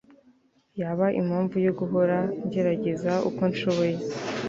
Yaba impamvu yo guhora ngerageza uko nshoboye